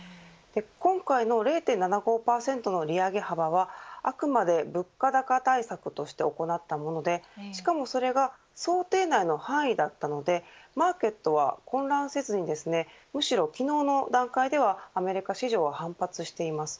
今回の０．７５％の利上げ幅はあくまで物価高対策として行ったものでしかもそれが想定内の範囲だったのでマーケットは混乱せずにむしろ昨日の段階ではアメリカ市場は反発しています。